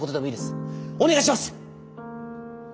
お願いします！